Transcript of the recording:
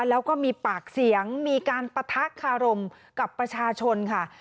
แล้วก็มีปากเสียงมีการปะทะคารมกับประชาชนค่ะ